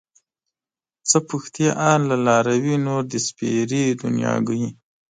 څه پوښتې حال له لاروي نور د سپېرې دنياګۍ